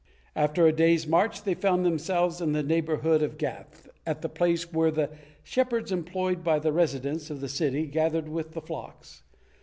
After a day's march they found themselves in the neighborhood of Gath, at the place where the shepherds employed by the residents of the city gathered with the flocks.